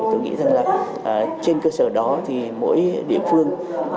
tôi nghĩ rằng trên cơ sở đó mỗi địa phương